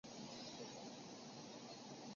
普卢扎内。